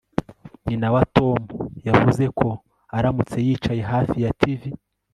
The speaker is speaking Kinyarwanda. nyina wa tom yavuze ko aramutse yicaye hafi ya tv